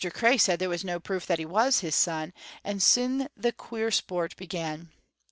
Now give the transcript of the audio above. Cray said there was no proof that he was his son, and syne the queer sport began.